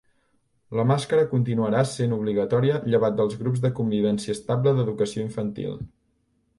La màscara continuarà essent obligatòria llevat dels grups de convivència estable d’educació infantil.